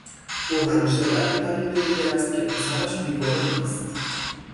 او همیشه بر این عقیده بوده است که پسرش بیگناه است.